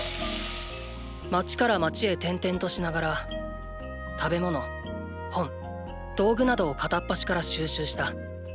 街から街へ転々としながら食べ物本道具などを片っ端から収集した。